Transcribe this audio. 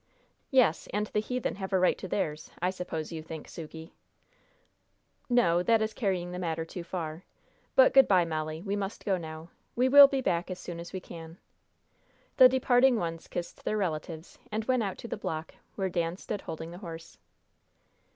"Yes; and the heathen have a right to theirs, I suppose you think, Sukey." "No; that is carrying the matter too far. But good by, Molly. We must go now. We will be back as soon as we can." The departing ones kissed their relatives, and went out to the block, where Dan stood holding the horse.